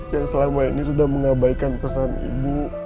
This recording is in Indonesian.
yang selama ini sudah mengabaikan pesan ibu